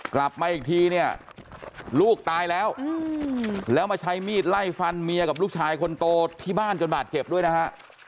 กลับไปอีกทีเนี่ยลูกตายแล้วทำไมใช้มีดไล่ฟันเมียกับลูกชายคนโตที่บ้านโดนหัวตันเก็บด้วยนะครับ